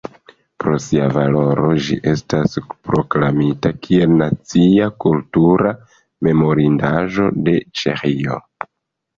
Pro sia valoro ĝi estas proklamita kiel Nacia kultura memorindaĵo de Ĉeĥio.